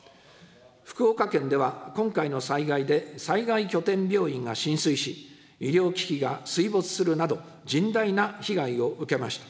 福岡県では、今回の災害で災害拠点病院が浸水し、医療機器が水没するなど、甚大な被害を受けました。